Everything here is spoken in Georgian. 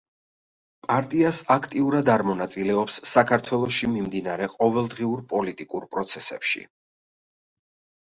პარტიას აქტიურად არ მონაწილეობს საქართველოში მიმდინარე ყოველდღიურ პოლიტიკურ პროცესებში.